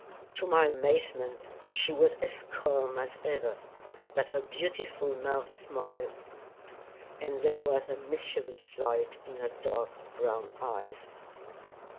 To my amazement she was as calm as ever, but her beautiful mouth smiled, and there was a mischievous light in her dark brown eyes.